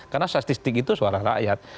karena statistik itu suara rakyat